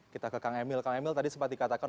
kita ke kang emil kang emil tadi sempat dikatakan